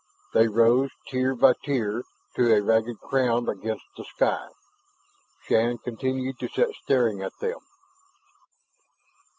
They rose, tier by tier, to a ragged crown against the sky. Shann continued to sit staring at them.